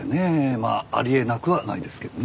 まああり得なくはないですけどね。